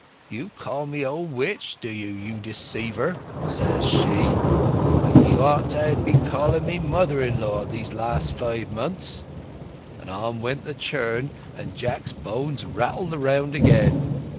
'You call me old witch, do ye, you deceiver!' says she, 'when ye ought to ha' been calling me mother law these last five months!' And on went the churn, and Jack's bones rattled round again.